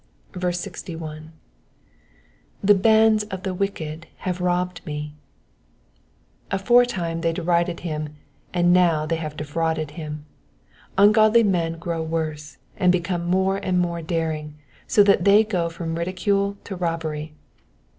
61. ^^Tne bands of the toicked have rMed »n^." Aforetime they derided him, and now they have defrauded him. Ungodly men grow worse, and become more and more daring, so that they go from ridicule to robbery.